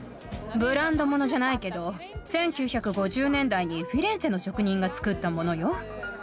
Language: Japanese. ブランド物じゃないけど１９５０年代にフィレンツェの職人が作ったものよ。